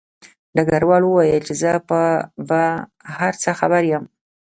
ډګروال وویل چې زه په هر څه خبر یم